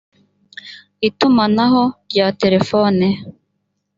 itumanaho rya telefone